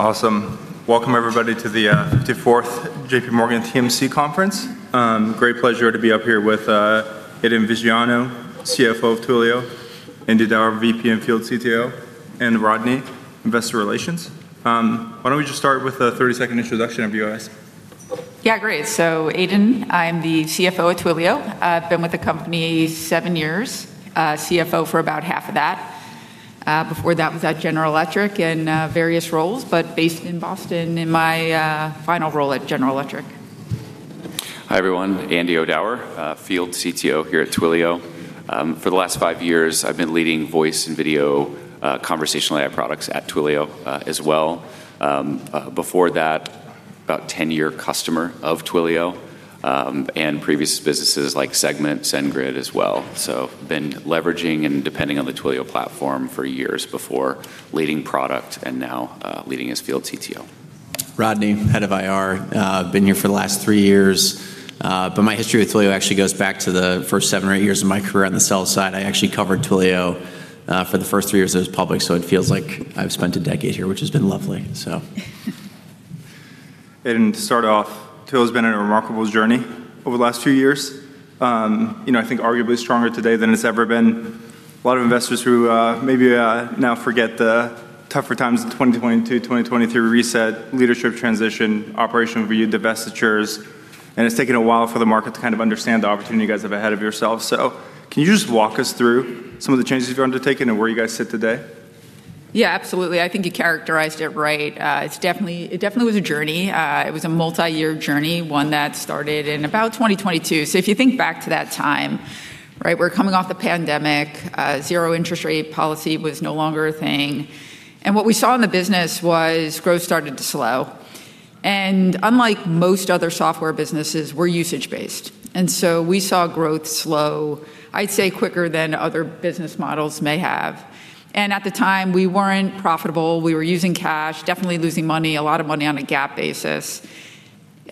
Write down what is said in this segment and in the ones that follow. Awesome. Welcome everybody to the 54th JP Morgan TMC Conference. Great pleasure to be up here with Aidan Viggiano, CFO of Twilio, Andy O'Dower, VP and Field CTO, and Rodney, Investor Relations. Why don't we just start with a 30-second introduction of you guys? Yeah, great. Aidan, I'm the CFO at Twilio. I've been with the company seven years, CFO for about half of that. Before that was at General Electric in various roles, but based in Boston in my final role at General Electric. Hi, everyone. Andy O'Dower, Field CTO here at Twilio. For the last five years, I've been leading voice and video, conversational AI products at Twilio as well. Before that, about 10-year customer of Twilio and previous businesses like Segment, SendGrid as well. Been leveraging and depending on the Twilio platform for years before leading product and now leading as Field CTO. Rodney, head of IR. Been here for the last three years. My history with Twilio actually goes back to the first seven or eight years of my career on the sell side. I actually covered Twilio for the first three years it was public, it feels like I've spent a decade here, which has been lovely. Aidan, to start off, Twilio's been on a remarkable journey over the last few years. You know, I think arguably stronger today than it's ever been. A lot of investors who maybe now forget the tougher times in 2022, 2023, reset, leadership transition, operational review, divestitures, and it's taken a while for the market to kind of understand the opportunity you guys have ahead of yourselves. Can you just walk us through some of the changes you've undertaken and where you guys sit today? Yeah, absolutely. I think you characterized it right. It definitely was a journey. It was a multi-year journey, one that started in about 2022. If you think back to that time, right? We're coming off the pandemic. Zero interest rate policy was no longer a thing. What we saw in the business was growth started to slow. Unlike most other software businesses, we're usage-based. We saw growth slow, I'd say quicker than other business models may have. At the time, we weren't profitable. We were using cash, definitely losing money, a lot of money on a GAAP basis.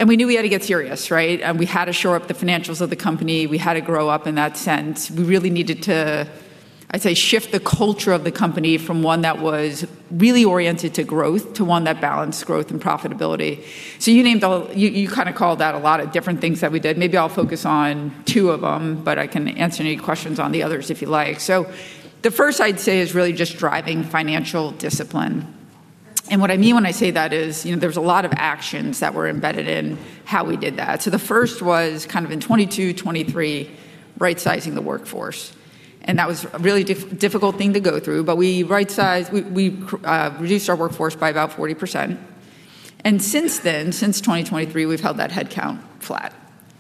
We knew we had to get serious, right? We had to shore up the financials of the company. We had to grow up in that sense. We really needed to, I'd say, shift the culture of the company from one that was really oriented to growth to one that balanced growth and profitability. You kinda called out a lot of different things that we did. Maybe I'll focus on 2 of 'em, but I can answer any questions on the others if you like. The first I'd say is really just driving financial discipline. What I mean when I say that is, you know, there's a lot of actions that were embedded in how we did that. The first was kind of in 2022, 2023, right-sizing the workforce. That was a really difficult thing to go through, but we right-sized. We reduced our workforce by about 40%. Since then, since 2023, we've held that headcount flat.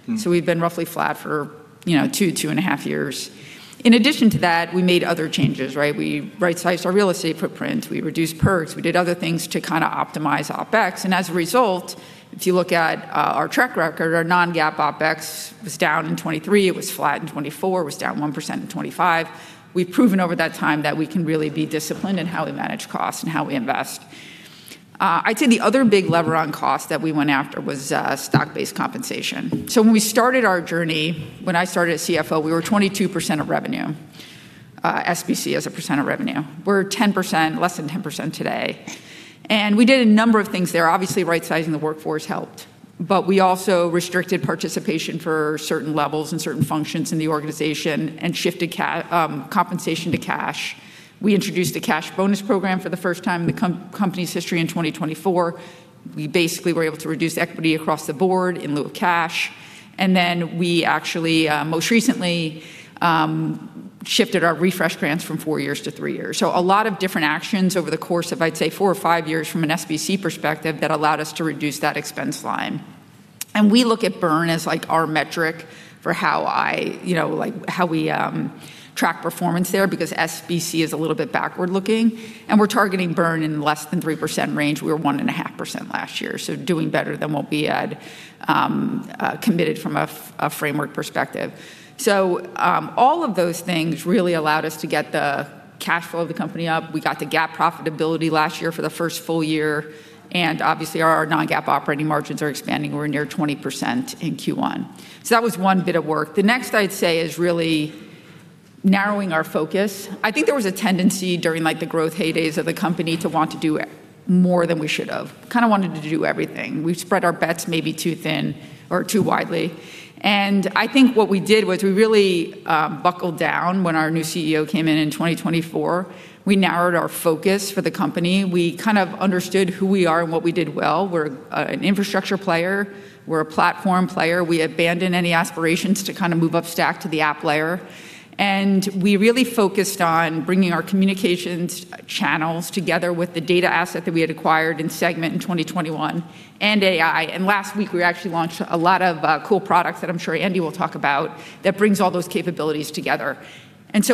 We've been roughly flat for, you know, two and a half years. In addition to that, we made other changes, right? We right-sized our real estate footprint. We reduced perks. We did other things to kinda optimize OpEx. As a result, if you look at our track record, our non-GAAP OpEx was down in 2023. It was flat in 2024. It was down 1% in 2025. We've proven over that time that we can really be disciplined in how we manage costs and how we invest. I'd say the other big lever on cost that we went after was stock-based compensation. When we started our journey, when I started as CFO, we were 22% of revenue, SBC as a percent of revenue. We're 10%, less than 10% today. We did a number of things there. Obviously, right-sizing the workforce helped. We also restricted participation for certain levels and certain functions in the organization and shifted compensation to cash. We introduced a cash bonus program for the first time in the company's history in 2024. We basically were able to reduce equity across the board in lieu of cash. We actually, most recently, shifted our refresh grants from four years to three years. A lot of different actions over the course of, I'd say, four or five years from an SBC perspective that allowed us to reduce that expense line. We look at burn as, like, our metric for how I, you know, like, how we track performance there because SBC is a little bit backward-looking. We're targeting burn in less than 3% range. We were 1.5% last year, doing better than what we had committed from a framework perspective. All of those things really allowed us to get the cash flow of the company up. We got to GAAP profitability last year for the first full year, and obviously our non-GAAP operating margins are expanding. We're near 20% in Q1. That was 1 bit of work. The next I'd say is really narrowing our focus. I think there was a tendency during, like, the growth heydays of the company to want to do more than we should have, kinda wanted to do everything. We spread our bets maybe too thin or too widely. I think what we did was we really buckled down when our new CEO came in in 2024. We narrowed our focus for the company. We kind of understood who we are and what we did well. We're an infrastructure player. We're a platform player. We abandoned any aspirations to kinda move upstack to the app layer. We really focused on bringing our communications channels together with the data asset that we had acquired in Segment in 2021 and AI. Last week, we actually launched a lot of cool products that I'm sure Andy will talk about that brings all those capabilities together.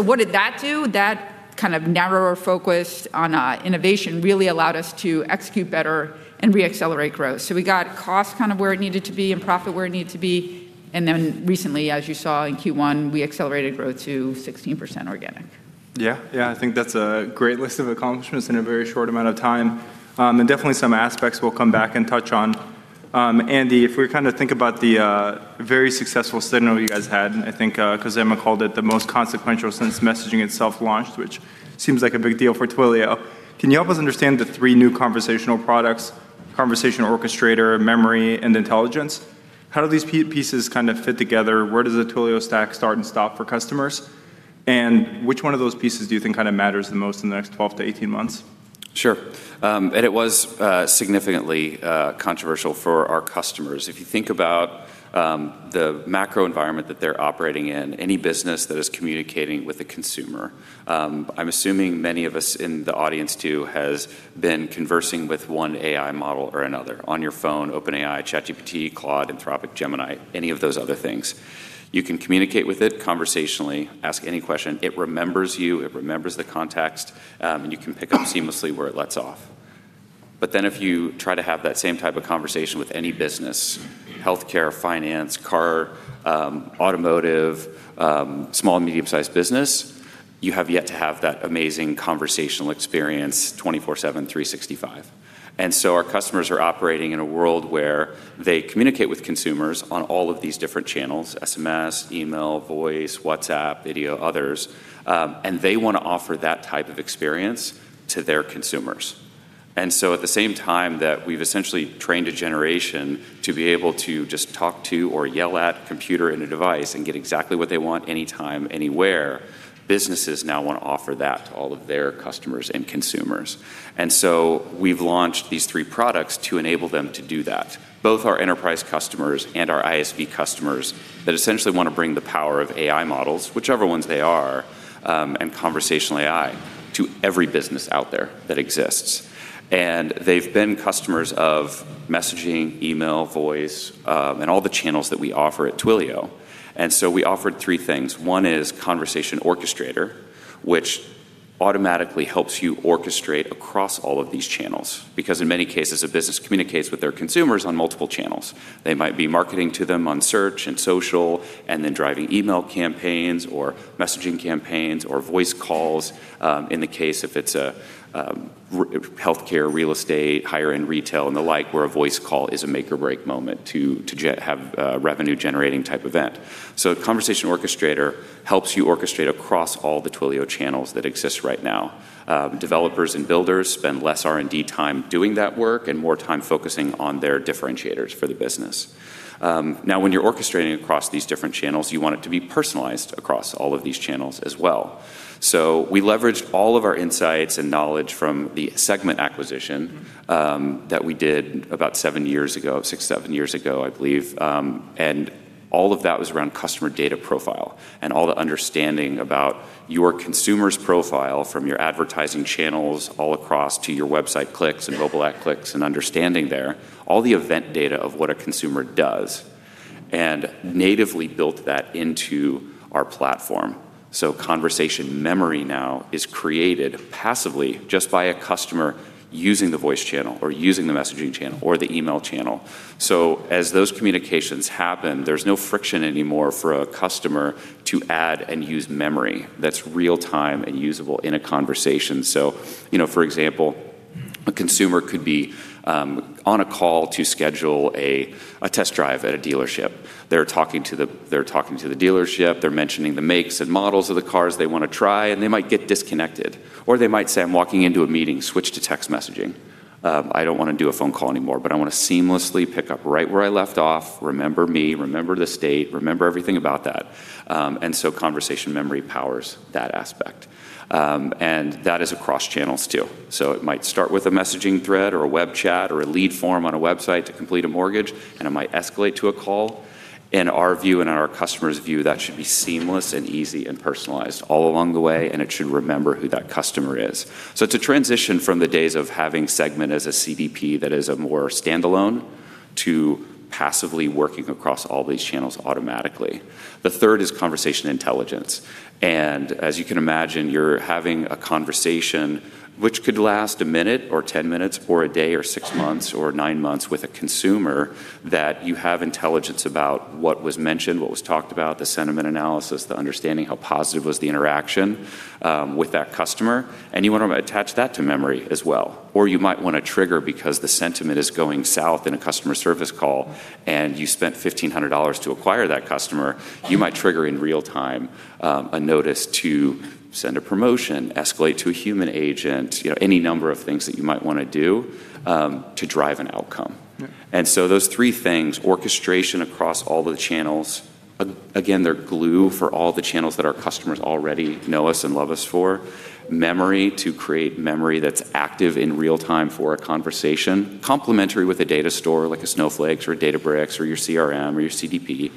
What did that do? That kind of narrower focus on innovation really allowed us to execute better and re-accelerate growth. We got cost kind of where it needed to be and profit where it needed to be. Recently, as you saw in Q1, we accelerated growth to 16% organic. Yeah. Yeah, I think that's a great list of accomplishments in a very short amount of time. Definitely some aspects we'll come back and touch on. Andy, if we kind of think about the very successful SIGNAL you guys had, and I think Khozema called it the most consequential since messaging itself launched, which seems like a big deal for Twilio. Can you help us understand the three new conversational products, Conversation Orchestrator, Conversation Memory, and Conversation Intelligence? How do these pieces kind of fit together? Where does the Twilio stack start and stop for customers? Which one of those pieces do you think kind of matters the most in the next 12 to 18 months? Sure. It was significantly controversial for our customers. If you think about the macro environment that they're operating in, any business that is communicating with a consumer, I'm assuming many of us in the audience too has been conversing with one AI model or another on your phone, OpenAI, ChatGPT, Claude, Anthropic, Gemini, any of those other things. You can communicate with it conversationally, ask any question. It remembers you, it remembers the context, and you can pick up seamlessly where it lets off. If you try to have that same type of conversation with any business, healthcare, finance, car, automotive, small and medium-sized business, you have yet to have that amazing conversational experience 24/7, 365. Our customers are operating in a world where they communicate with consumers on all of these different channels, SMS, email, voice, WhatsApp, video, others, and they wanna offer that type of experience to their consumers. At the same time that we've essentially trained a generation to be able to just talk to or yell at a computer in a device and get exactly what they want anytime, anywhere, businesses now wanna offer that to all of their customers and consumers. We've launched these three products to enable them to do that. Both our enterprise customers and our ISV customers that essentially wanna bring the power of AI models, whichever ones they are, and conversational AI, to every business out there that exists. They've been customers of messaging, email, voice, and all the channels that we offer at Twilio. We offered 3 things. One is Conversation Orchestrator, which automatically helps you orchestrate across all of these channels, because in many cases, a business communicates with their consumers on multiple channels. They might be marketing to them on search and social, then driving email campaigns or messaging campaigns or voice calls, in the case if it's a healthcare, real estate, higher-end retail, and the like, where a voice call is a make or break moment to have a revenue-generating type event. Conversation Orchestrator helps you orchestrate across all the Twilio channels that exist right now. Developers and builders spend less R&D time doing that work and more time focusing on their differentiators for the business. Now when you're orchestrating across these different channels, you want it to be personalized across all of these channels as well. We leveraged all of our insights and knowledge from the Segment acquisition that we did about seven years ago, six, seven years ago, I believe. And all of that was around customer data profile and all the understanding about your consumer's profile from your advertising channels all across to your website clicks and mobile ad clicks and understanding there all the event data of what a consumer does, and natively built that into our platform. Conversation Memory now is created passively just by a customer using the voice channel or using the messaging channel or the email channel. As those communications happen, there's no friction anymore for a customer to add and use memory that's real-time and usable in a conversation. You know, for example, a consumer could be on a call to schedule a test drive at a dealership. They're talking to the dealership. They're mentioning the makes and models of the cars they wanna try, and they might get disconnected. They might say, "I'm walking into a meeting. Switch to text messaging. I don't wanna do a phone call anymore, but I wanna seamlessly pick up right where I left off. Remember me, remember the state, remember everything about that." Conversation Memory powers that aspect. That is across channels too. It might start with a messaging thread or a web chat or a lead form on a website to complete a mortgage, and it might escalate to a call. In our view and in our customer's view, that should be seamless and easy and personalized all along the way, and it should remember who that customer is. To transition from the days of having Segment as a CDP that is a more standalone to passively working across all these channels automatically. The third is Conversation Intelligence. As you can imagine, you're having a conversation which could last 1 minute or 10 minutes or a day or six months or nine months with a consumer that you have intelligence about what was mentioned, what was talked about, the sentiment analysis, the understanding how positive was the interaction with that customer, and you want to attach that to memory as well. You might want to trigger because the sentiment is going south in a customer service call and you spent $1,500 to acquire that customer, you might trigger in real time, a notice to send a promotion, escalate to a human agent, you know, any number of things that you might wanna do, to drive an outcome. Yeah. Those three things, orchestration across all the channels. Again, they're glue for all the channels that our customers already know us and love us for. Memory, to create memory that's active in real time for a conversation, complementary with a data store like a Snowflake or a Databricks or your CRM or your CDP,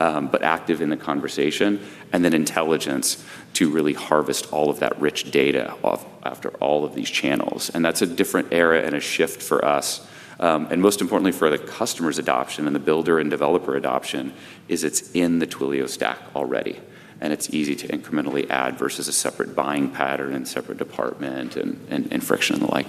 but active in the conversation. Intelligence to really harvest all of that rich data after all of these channels. That's a different era and a shift for us. Most importantly, for the customer's adoption and the builder and developer adoption, is it's in the Twilio stack already. It's easy to incrementally add versus a separate buying pattern and separate department and friction and the like.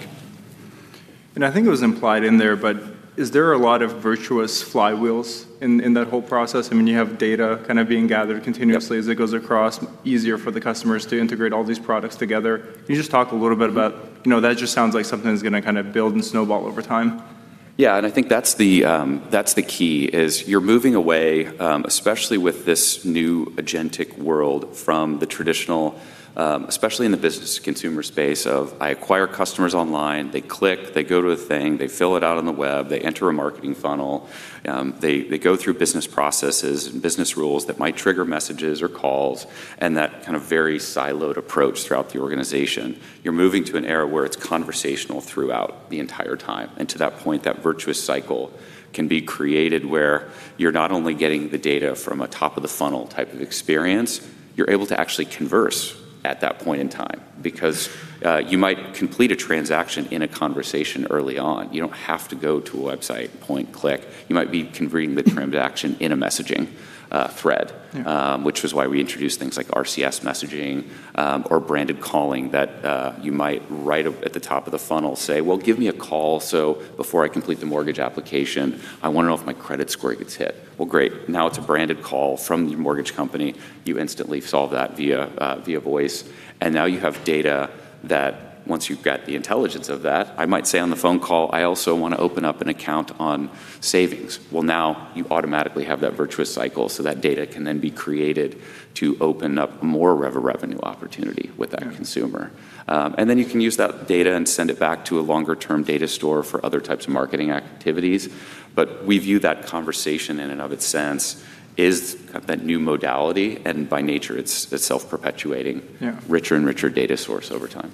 I think it was implied in there, but is there a lot of virtuous flywheels in that whole process? I mean, you have data kind of being gathered continuously. Yep as it goes across, easier for the customers to integrate all these products together. Can you just talk a little bit about, you know, that just sounds like something that's gonna kind of build and snowball over time? I think that's the key is you're moving away, especially with this new agentic world from the traditional, especially in the business consumer space of I acquire customers online, they click, they go to a thing, they fill it out on the web, they enter a marketing funnel, they go through business processes and business rules that might trigger messages or calls and that kind of very siloed approach throughout the organization. You're moving to an era where it's conversational throughout the entire time. To that point, that virtuous cycle can be created where you're not only getting the data from a top of the funnel type of experience, you're able to actually converse at that point in time because you might complete a transaction in a conversation early on. You don't have to go to a website, point, click. You might be completing the transaction in a messaging, thread. Yeah Which was why we introduced things like RCS messaging, or Branded Calling that, you might right at the top of the funnel say, "Well, give me a call so before I complete the mortgage application, I want to know if my credit score gets hit." Well, great. Now it's a Branded Call from the mortgage company. You instantly solve that via voice, and now you have data that once you've got the intelligence of that, I might say on the phone call, "I also want to open up an account on savings." Well, now you automatically have that virtuous cycle, so that data can then be created to open up more revenue opportunity with that consumer. You can use that data and send it back to a longer-term data store for other types of marketing activities. We view that conversation in and of its sense is that new modality, and by nature, it's self-perpetuating. Yeah. Richer and richer data source over time.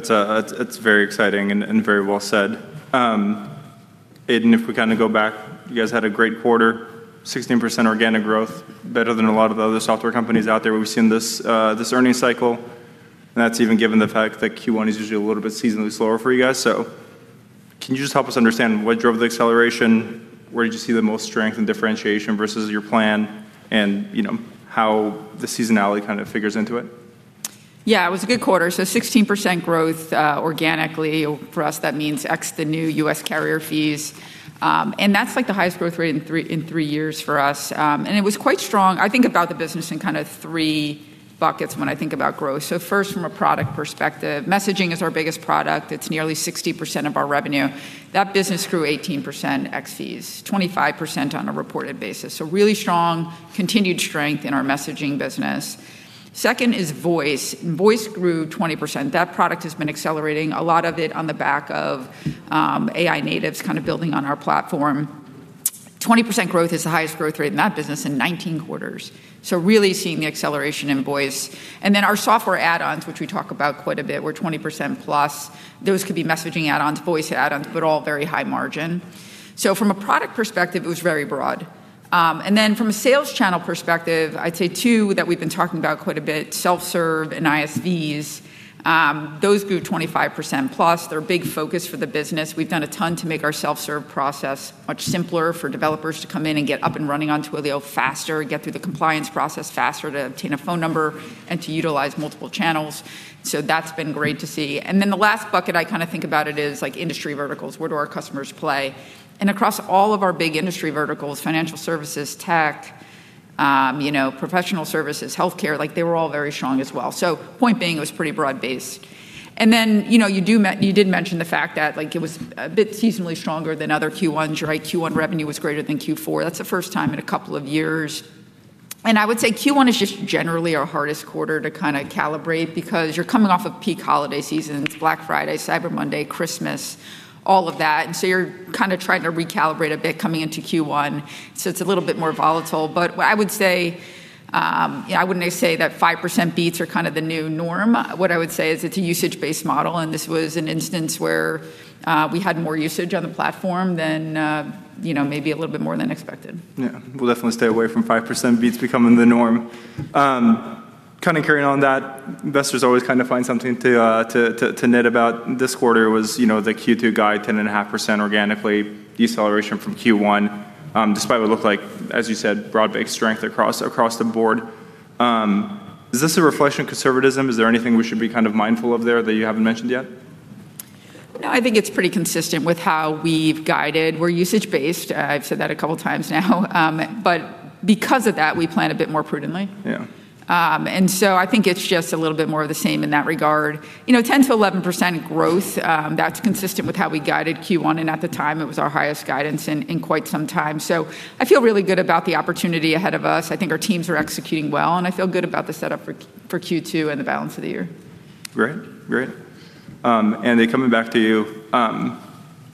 That's very exciting and very well said. Aidan, if we kind of go back, you guys had a great quarter, 16% organic growth, better than a lot of the other software companies out there we've seen this earnings cycle. That's even given the fact that Q1 is usually a little bit seasonally slower for you guys. Can you just help us understand what drove the acceleration? Where did you see the most strength and differentiation versus your plan? You know, how the seasonality kind of figures into it? It was a good quarter. 16% growth organically. For us, that means ex the new U.S. carrier fees. That's like the highest growth rate in three years for us. It was quite strong. I think about the business in kind of three buckets when I think about growth. First, from a product perspective, messaging is our biggest product. It's nearly 60% of our revenue. That business grew 18% ex fees, 25% on a reported basis. Really strong continued strength in our messaging business. Second is voice. Voice grew 20%. That product has been accelerating, a lot of it on the back of AI natives kind of building on our platform. 20% growth is the highest growth rate in that business in 19 quarters. Really seeing the acceleration in voice. Our software add-ons, which we talk about quite a bit, were 20%+. Those could be messaging add-ons, voice add-ons, but all very high margin. From a product perspective, it was very broad. From a sales channel perspective, I'd say two that we've been talking about quite a bit, self-serve and ISVs, those grew 25%+. They're a big focus for the business. We've done a ton to make our self-serve process much simpler for developers to come in and get up and running onto Twilio faster, get through the compliance process faster to obtain a phone number and to utilize multiple channels. That's been great to see. The last bucket I kind of think about it is like industry verticals. Where do our customers play? Across all of our big industry verticals, financial services, tech, you know, professional services, healthcare, like they were all very strong as well. You know, you did mention the fact that like it was a bit seasonally stronger than other Q1s. You're right, Q1 revenue was greater than Q4. That's the 1st time in a couple of years. Q1 is just generally our hardest quarter to kind of calibrate because you're coming off of peak holiday seasons, Black Friday, Cyber Monday, Christmas, all of that. You're kind of trying to recalibrate a bit coming into Q1. It's a little bit more volatile. I wouldn't say that 5% beats are kind of the new norm. What I would say is it's a usage-based model, and this was an instance where we had more usage on the platform than, you know, maybe a little bit more than expected. Yeah. We'll definitely stay away from 5% beats becoming the norm. kind of carrying on that, investors always kind of find something to nit about. This quarter was, you know, the Q2 guide, 10.5% organically deceleration from Q1, despite what looked like, as you said, broad-based strength across the board. Is this a reflection of conservatism? Is there anything we should be kind of mindful of there that you haven't mentioned yet? No, I think it's pretty consistent with how we've guided. We're usage-based. I've said that a couple of times now. Because of that, we plan a bit more prudently. Yeah. I think it's just a little bit more of the same in that regard. You know, 10%-11% growth, that's consistent with how we guided Q1, and at the time, it was our highest guidance in quite some time. I feel really good about the opportunity ahead of us. I think our teams are executing well, and I feel good about the setup for Q2 and the balance of the year. Great. Great. Andy, coming back to you.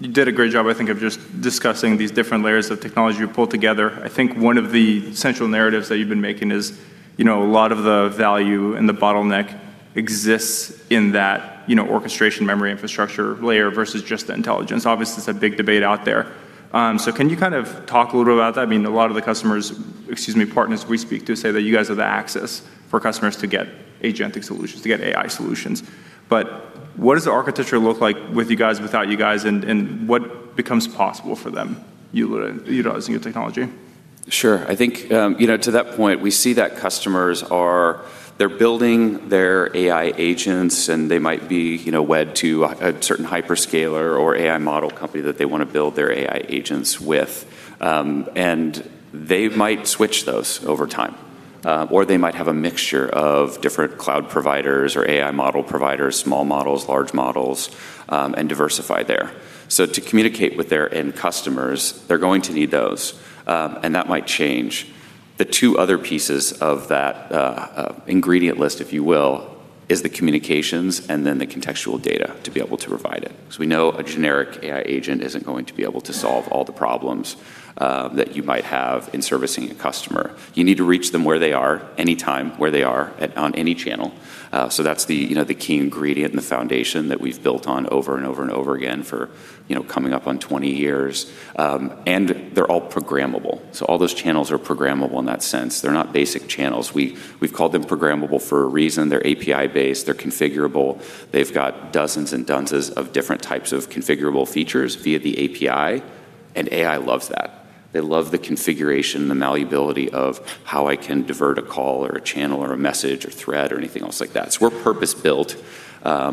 You did a great job, I think, of just discussing these different layers of technology you pulled together. I think one of the central narratives that you've been making is, you know, a lot of the value and the bottleneck exists in that, you know, orchestration memory infrastructure layer versus just the intelligence. Obviously, it's a big debate out there. Can you kind of talk a little bit about that? I mean, a lot of the customers, excuse me, partners we speak to say that you guys are the access for customers to get agentic solutions, to get AI solutions. What does the architecture look like with you guys, without you guys, and what becomes possible for them utilizing your technology? Sure. I think, you know, to that point, we see that customers they're building their AI agents, and they might be, you know, wed to a certain hyperscaler or AI model company that they want to build their AI agents with. And they might switch those over time. Or they might have a mixture of different cloud providers or AI model providers, small models, large models, and diversify there. To communicate with their end customers, they're going to need those, and that might change. The two other pieces of that ingredient list, if you will, is the communications and then the contextual data to be able to provide it. Because we know a generic AI agent isn't going to be able to solve all the problems that you might have in servicing a customer. You need to reach them where they are, anytime, where they are, at, on any channel. That's the, you know, the key ingredient and the foundation that we've built on over and over and over again for, you know, coming up on 20 years. They're all programmable. All those channels are programmable in that sense. They're not basic channels. We've called them programmable for a reason. They're API-based, they're configurable, they've got dozens and dozens of different types of configurable features via the API, and AI loves that. They love the configuration, the malleability of how I can divert a call or a channel or a message or thread or anything else like that. We're purpose-built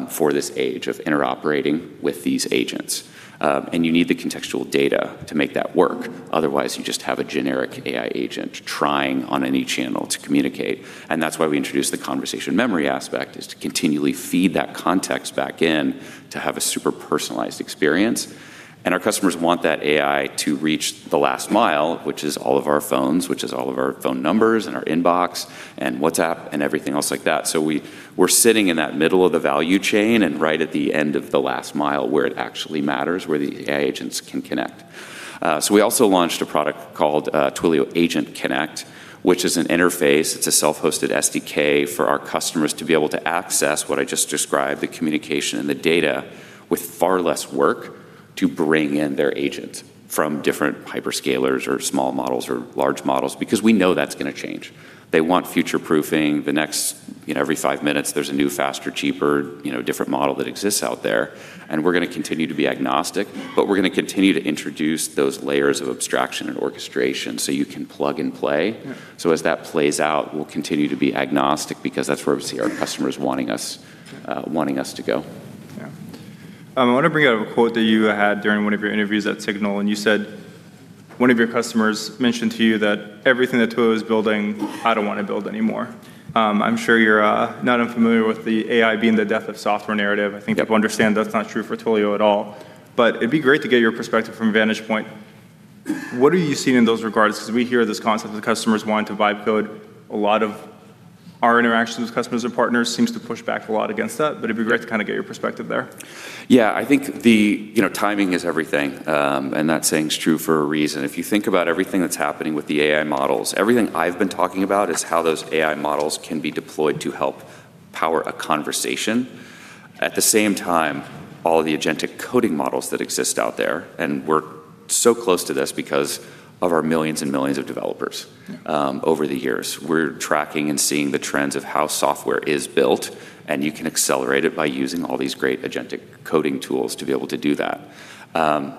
for this age of interoperating with these agents. You need the contextual data to make that work. Otherwise, you just have a generic AI agent trying on any channel to communicate. That's why we introduced the Conversation Memory aspect, is to continually feed that context back in to have a super personalized experience. Our customers want that AI to reach the last mile, which is all of our phones, which is all of our phone numbers and our inbox and WhatsApp and everything else like that. We're sitting in that middle of the value chain and right at the end of the last mile where it actually matters, where the AI agents can connect. We also launched a product called Twilio Agent Connect, which is an interface. It's a self-hosted SDK for our customers to be able to access what I just described, the communication and the data, with far less work to bring in their agent from different hyperscalers or small models or large models, because we know that's gonna change. They want future-proofing. The next, you know, every five minutes there's a new, faster, cheaper, you know, different model that exists out there, and we're gonna continue to be agnostic. We're gonna continue to introduce those layers of abstraction and orchestration, so you can plug and play. Yeah. As that plays out, we'll continue to be agnostic because that's where we see our customers wanting us, wanting us to go. I want to bring up a quote that you had during one of your interviews at SIGNAL, and you said one of your customers mentioned to you that everything that Twilio is building, I don't want to build anymore. I'm sure you're not unfamiliar with the AI being the death of software narrative. Yep. I think people understand that's not true for Twilio at all. It'd be great to get your perspective from a vantage point. What are you seeing in those regards? 'Cause we hear this concept of the customers wanting to vibe coding. A lot of our interactions with customers or partners seems to push back a lot against that, but it'd be great to kind of get your perspective there. Yeah. I think the, you know, timing is everything, that saying's true for a reason. If you think about everything that's happening with the AI models, everything I've been talking about is how those AI models can be deployed to help power a conversation. At the same time, all the agentic coding models that exist out there, we're so close to this because of our millions and millions of developers. Yeah over the years. We're tracking and seeing the trends of how software is built, and you can accelerate it by using all these great agentic coding tools to be able to do that.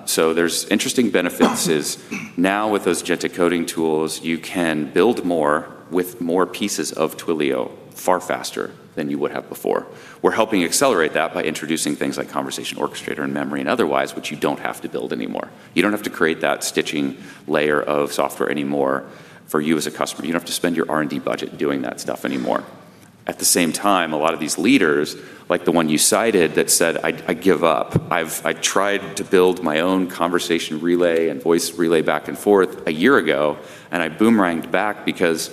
So there's interesting benefits is now with those agentic coding tools, you can build more with more pieces of Twilio far faster than you would have before. We're helping accelerate that by introducing things like Conversation Orchestrator and Conversation Memory and otherwise, which you don't have to build anymore. You don't have to create that stitching layer of software anymore for you as a customer. You don't have to spend your R&D budget doing that stuff anymore. At the same time, a lot of these leaders, like the one you cited that said, "I give up. I tried to build my own Conversation Relay and voice relay back and forth a year ago, I boomeranged back because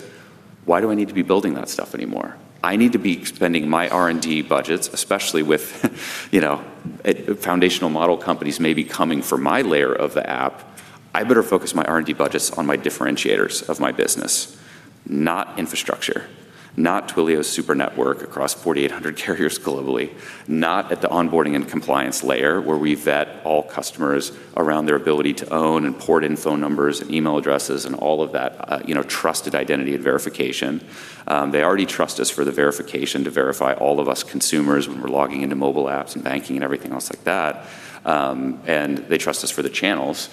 why do I need to be building that stuff anymore? I need to be spending my R&D budgets, especially with, you know, foundational model companies maybe coming for my layer of the app. I better focus my R&D budgets on my differentiators of my business, not infrastructure, not Twilio's Super Network across 4,800 carriers globally, not at the onboarding and compliance layer, where we vet all customers around their ability to own and port in phone numbers and email addresses and all of that, you know, trusted identity and verification. They already trust us for the verification to verify all of us consumers when we're logging into mobile apps and banking and everything else like that. They trust us for the channels,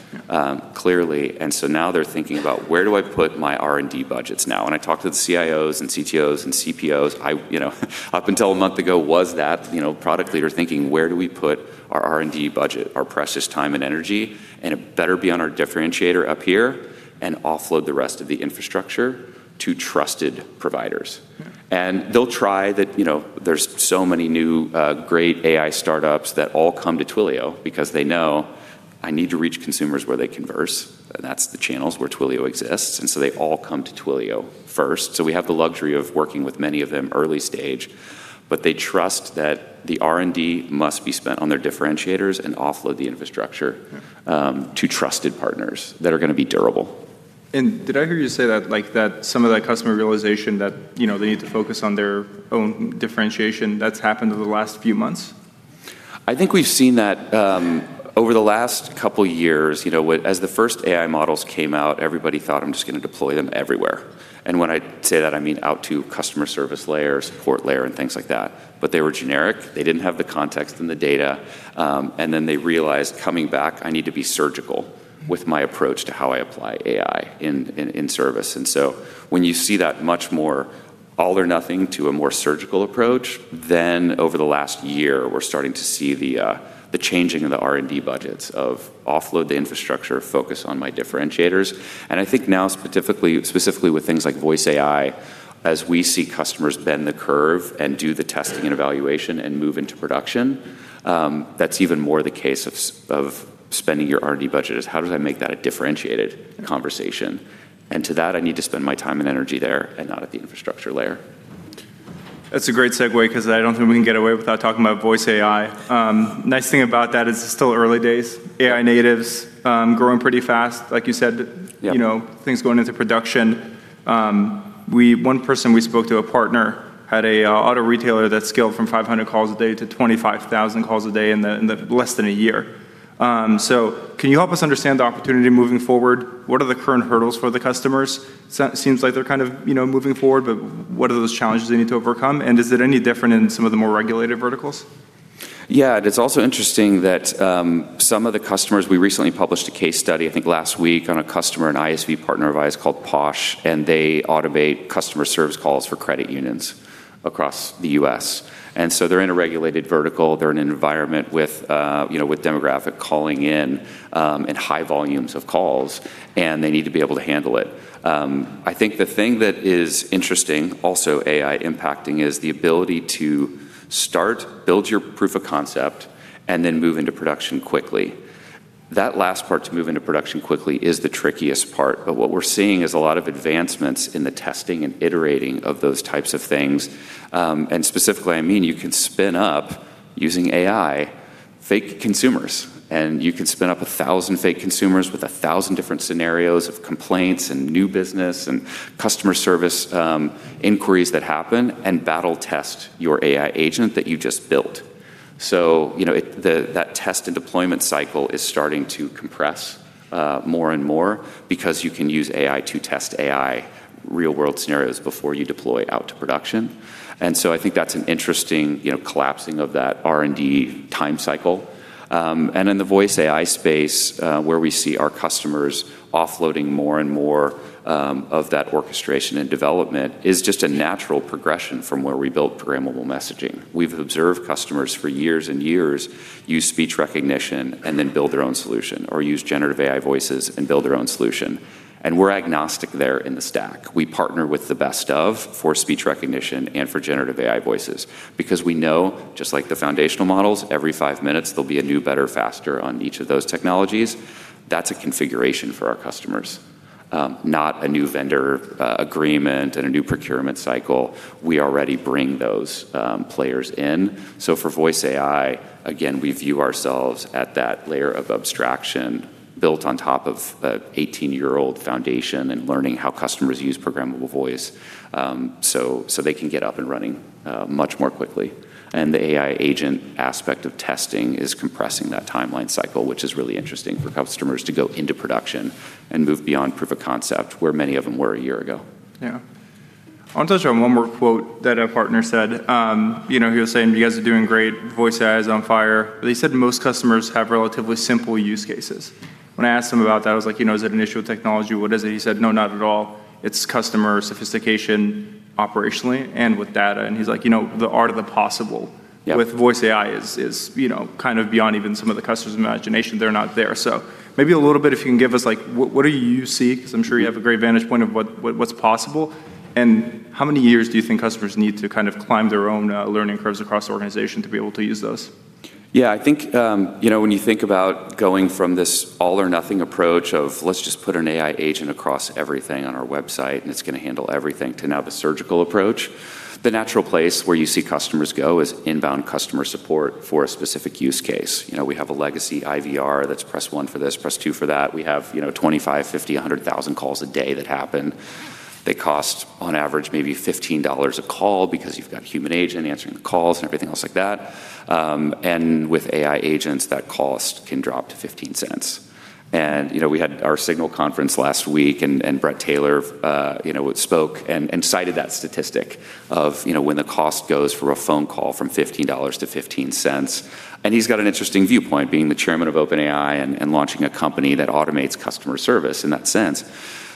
clearly. Now they're thinking about, "Where do I put my R&D budgets now?" I talk to the CIOs and CTOs and CPOs. I, you know, up until a month ago was that, you know, product leader thinking, "Where do we put our R&D budget, our precious time and energy? It better be on our differentiator up here, and offload the rest of the infrastructure to trusted providers. They'll try that, you know, there's so many new, great AI startups that all come to Twilio because they know, "I need to reach consumers where they converse," and that's the channels where Twilio exists. They all come to Twilio first. We have the luxury of working with many of them early stage, but they trust that the R&D must be spent on their differentiators and offload the infrastructure- Yeah to trusted partners that are gonna be durable. Did I hear you say that, like, that some of that customer realization that, you know, they need to focus on their own differentiation, that's happened over the last few months? I think we've seen that over the last couple years. You know, when, as the first AI models came out, everybody thought, "I'm just gonna deploy them everywhere." When I say that, I mean out to customer service layer, support layer, and things like that. They were generic, they didn't have the context and the data, and then they realized coming back, "I need to be surgical with my approach to how I apply AI in service." When you see that much more, all or nothing to a more surgical approach. Over the last year, we're starting to see the changing of the R&D budgets of offload the infrastructure, focus on my differentiators. I think now specifically with things like voice AI, as we see customers bend the curve and do the testing and evaluation and move into production, that's even more the case of spending your R&D budget is how does I make that a differentiated conversation? To that, I need to spend my time and energy there and not at the infrastructure layer. That's a great segue 'cause I don't think we can get away without talking about voice AI. Nice thing about that is it's still early days. AI natives, growing pretty fast. Like you said. Yeah you know, things going into production. One person we spoke to, a partner, had an auto retailer that scaled from 500 calls a day to 25,000 calls a day in less than a year. Can you help us understand the opportunity moving forward? What are the current hurdles for the customers? Seems like they're kind of, you know, moving forward, but what are those challenges they need to overcome, and is it any different in some of the more regulated verticals? Yeah. It's also interesting that some of the customers, we recently published a case study, I think last week, on a customer, an ISV partner of ours called Posh, they automate customer service calls for credit unions across the U.S. They're in a regulated vertical. They're in an environment with, you know, with demographic calling in, and high volumes of calls, and they need to be able to handle it. I think the thing that is interesting, also AI impacting, is the ability to start, build your proof of concept, and then move into production quickly. That last part, to move into production quickly, is the trickiest part. What we're seeing is a lot of advancements in the testing and iterating of those types of things. Specifically, I mean, you can spin up, using AI, fake consumers, and you can spin up a thousand fake consumers with a thousand different scenarios of complaints and new business and customer service, inquiries that happen, and battle test your AI agent that you just built. You know, that test and deployment cycle is starting to compress more and more because you can use AI to test AI real-world scenarios before you deploy out to production. I think that's an interesting, you know, collapsing of that R&D time cycle. In the voice AI space, where we see our customers offloading more and more of that orchestration and development is just a natural progression from where we built programmable messaging. We've observed customers for years and years use speech recognition and then build their own solution or use generative AI voices and build their own solution, and we're agnostic there in the stack. We partner with the best of for speech recognition and for generative AI voices because we know, just like the foundational models, every 5 min. There'll be a new better, faster on each of those technologies. That's a configuration for our customers, not a new vendor agreement and a new procurement cycle. We already bring those players in. For voice AI, again, we view ourselves at that layer of abstraction built on top of a 18-year-old foundation and learning how customers use programmable voice, so they can get up and running much more quickly. The AI agent aspect of testing is compressing that timeline cycle, which is really interesting for customers to go into production and move beyond proof of concept, where many of them were a year ago. Yeah. I want to touch on one more quote that a partner said. You know, he was saying, "You guys are doing great. Voice AI is on fire." He said most customers have relatively simple use cases. When I asked him about that, I was like, "You know, is it an issue with technology? What is it?" He said, "No, not at all. It's customer sophistication operationally and with data." He's like, "You know, the art of the possible Yeah. with voice AI is, you know, kind of beyond even some of the customers' imagination. They're not there." Maybe a little bit if you can give us, like, what do you see? Because I'm sure you have a great vantage point of what's possible. How many years do you think customers need to kind of climb their own learning curves across the organization to be able to use those? I think, you know, when you think about going from this all or nothing approach of let's just put an AI agent across everything on our website, and it's gonna handle everything to now the surgical approach, the natural place where you see customers go is inbound customer support for a specific use case. You know, we have a legacy IVR that's press one for this, press two for that. We have, you know, 25, 50, 100,000 calls a day that happen. They cost on average maybe $15 a call because you've got a human agent answering the calls and everything else like that. With AI agents, that cost can drop to $0.15. You know, we had our SIGNAL conference last week, Bret Taylor, you know, spoke and cited that statistic of, you know, when the cost goes for a phone call from $15 to $0.15. He's got an interesting viewpoint, being the chairman of OpenAI and launching a company that automates customer service in that sense.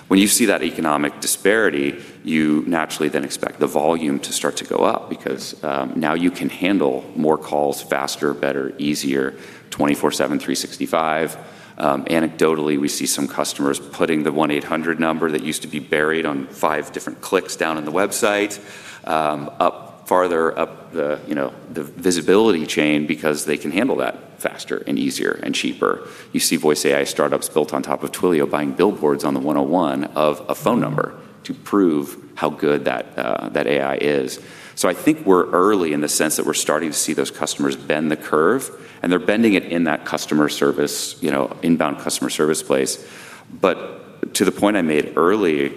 When you see that economic disparity, you naturally then expect the volume to start to go up because now you can handle more calls faster, better, easier, 24/7, 365. Anecdotally, we see some customers putting the 1-800 number that used to be buried on 5 different clicks down in the website up farther up the, you know, the visibility chain because they can handle that faster and easier and cheaper. You see voice AI startups built on top of Twilio buying billboards on the 101 of a phone number to prove how good that AI is. I think we're early in the sense that we're starting to see those customers bend the curve, and they're bending it in that customer service, you know, inbound customer service place. To the point I made early.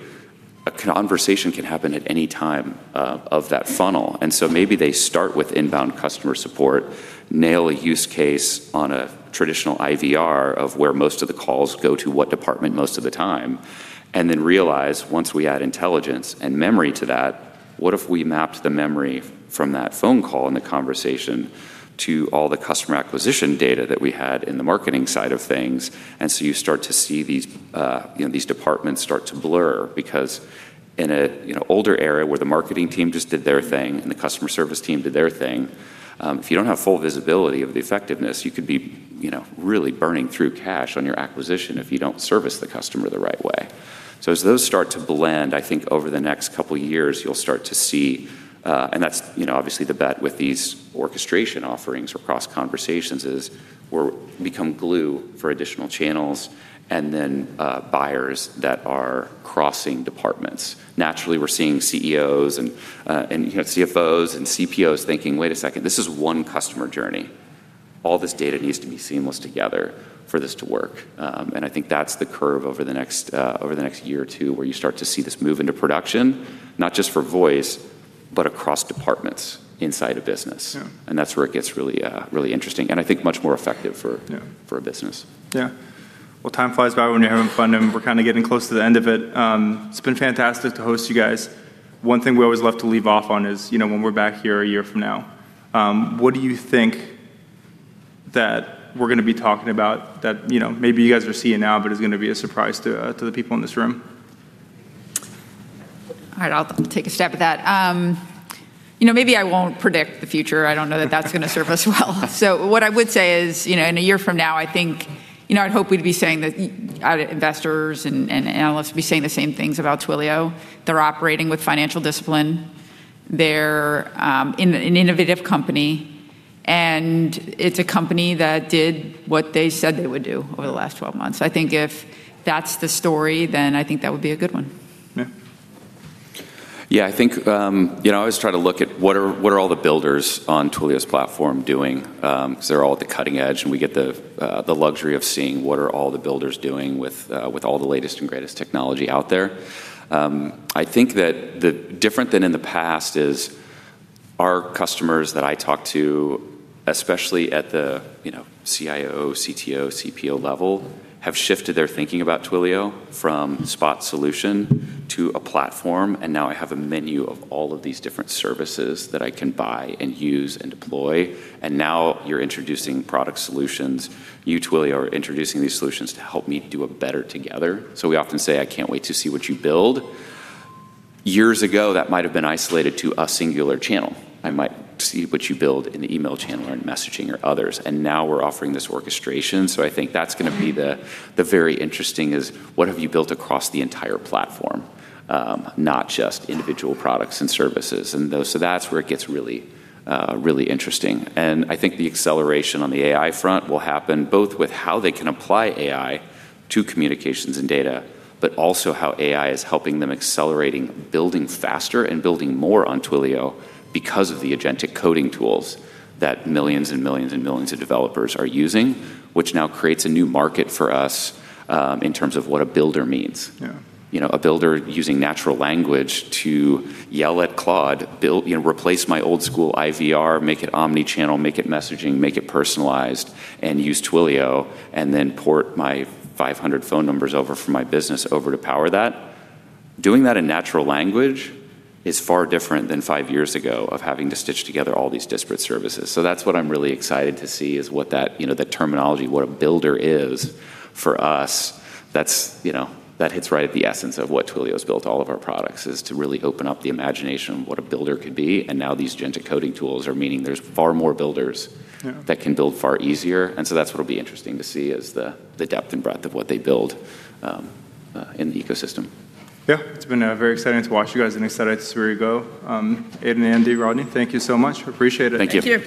A conversation can happen at any time of that funnel. Maybe they start with inbound customer support, nail a use case on a traditional IVR of where most of the calls go to what department most of the time, and then realize once we add intelligence and memory to that, what if we mapped the memory from that phone call and the conversation to all the customer acquisition data that we had in the marketing side of things? You start to see these, you know, these departments start to blur because in a, you know, older era where the marketing team just did their thing and the customer service team did their thing, if you don't have full visibility of the effectiveness, you could be, you know, really burning through cash on your acquisition if you don't service the customer the right way. As those start to blend, I think over the next couple years you'll start to see, and that's, you know, obviously the bet with these orchestration offerings or cross conversations is we're become glue for additional channels and then, buyers that are crossing departments. Naturally, we're seeing CEOs, you know, CFOs and CPOs thinking, "Wait a second, this is one customer journey. All this data needs to be seamless together for this to work. I think that's the curve over the next over the next year or two, where you start to see this move into production, not just for voice, but across departments inside a business. Yeah. That's where it gets really, really interesting, and I think much more effective. Yeah for a business. Yeah. Well, time flies by when you're having fun, and we're kind of getting close to the end of it. It's been fantastic to host you guys. One thing we always love to leave off on is, you know, when we're back here a year from now, what do you think that we're gonna be talking about that, you know, maybe you guys are seeing now, but is gonna be a surprise to the people in this room? All right, I'll take a stab at that. you know, maybe I won't predict the future. I don't know that that's gonna serve us well. What I would say is, you know, in a year from now, I think, you know, I'd hope we'd be saying that investors and analysts would be saying the same things about Twilio. They're operating with financial discipline. They're in an innovative company, and it's a company that did what they said they would do over the last 12 months. I think if that's the story, then I think that would be a good one. Andy? Yeah, I think, you know, I always try to look at what are all the builders on Twilio's platform doing? Because they're all at the cutting edge, and we get the luxury of seeing what are all the builders doing with all the latest and greatest technology out there. I think that the different than in the past is our customers that I talk to, especially at the, you know, CIO, CTO, CPO level, have shifted their thinking about Twilio from spot solution to a platform, and now I have a menu of all of these different services that I can buy and use and deploy. Now you're introducing product solutions. You, Twilio, are introducing these solutions to help me do it better together. We often say, "I can't wait to see what you build." Years ago, that might have been isolated to a singular channel. I might see what you build in the email channel or in messaging or others, and now we're offering this orchestration. I think that's gonna be the very interesting is what have you built across the entire platform, not just individual products and services. That's where it gets really interesting. I think the acceleration on the AI front will happen both with how they can apply AI to communications and data, but also how AI is helping them accelerating building faster and building more on Twilio because of the agentic coding tools that millions of developers are using, which now creates a new market for us in terms of what a builder means. Yeah. You know, a builder using natural language to yell at Claude, "Build, you know, replace my old school IVR, make it omni-channel, make it messaging, make it personalized, and use Twilio, and then port my 500 phone numbers over from my business over to power that." Doing that in natural language is far different than five years ago of having to stitch together all these disparate services. That's what I'm really excited to see is what that, you know, the terminology, what a builder is for us. That's, you know, that hits right at the essence of what Twilio's built. All of our products is to really open up the imagination of what a builder could be, and now these agentic coding tools are meaning there's far more builders. Yeah that can build far easier. That's what'll be interesting to see is the depth and breadth of what they build in the ecosystem. It's been very exciting to watch you guys and excited to see where you go. Aidan and Rodney, thank you so much. We appreciate it. Thank you. Thank you.